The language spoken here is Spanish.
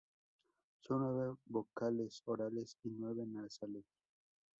Son nueve vocales orales y nueve nasales.